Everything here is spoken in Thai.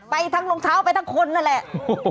ไปทั้งรองเท้าไปทั้งคนนั่นแหละ